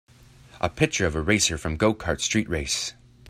A picture of a racer from gokart street race.